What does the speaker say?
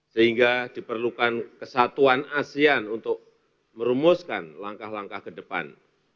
sehingga diperlukan kesatuan asean untuk merumuskan langkah langkah ke depan